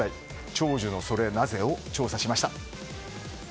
長寿のそれなぜを調査しました。